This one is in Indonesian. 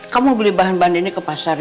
kamu beli bahan bahan ini ke pasar